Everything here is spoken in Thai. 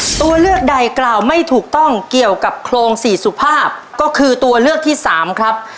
ตัวเลือกใดกล่าวไม่ถูกต้องเกี่ยวกับโครงสี่สุภาพก็คือตัวเลือกที่สามครับ